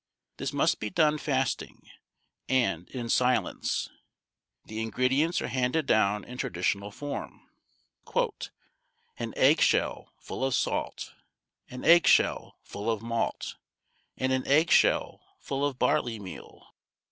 This must be done fasting and in silence. The ingredients are handed down in traditional form: "An egg shell full of salt, an egg shell full of malt, and an egg shell full of barley meal."